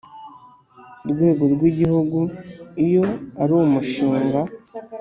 rwego rw Igihugu iyo ari umushinga